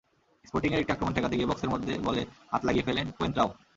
স্পোর্টিংয়ের একটি আক্রমণ ঠেকাতে গিয়ে বক্সের মধ্যে বলে হাত লাগিয়ে ফেলেন কোয়েন্ত্রাও।